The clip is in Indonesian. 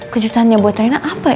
kejutan nya buat raina apa ya